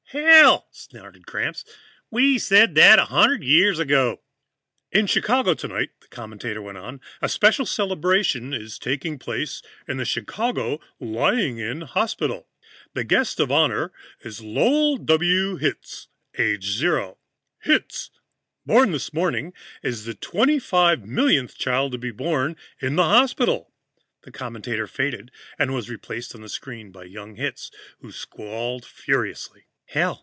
"Hell!" snorted Gramps. "We said that a hundred years ago!" "In Chicago tonight," the commentator went on, "a special celebration is taking place in the Chicago Lying in Hospital. The guest of honor is Lowell W. Hitz, age zero. Hitz, born this morning, is the twenty five millionth child to be born in the hospital." The commentator faded, and was replaced on the screen by young Hitz, who squalled furiously. "Hell!"